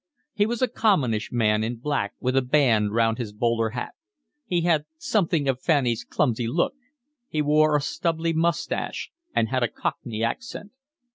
He was a commonish man in black with a band round his bowler hat; he had something of Fanny's clumsy look; he wore a stubbly moustache, and had a cockney accent.